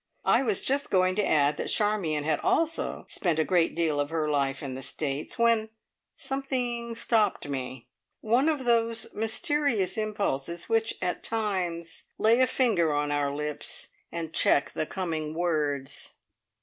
I was just going to add that Charmion also had spent a great part of her life in the States, when something stopped me one of those mysterious impulses which, at times, lay a finger on our lips, and check the coming words.